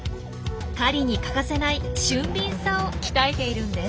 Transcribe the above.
狩りに欠かせない俊敏さを鍛えているんです。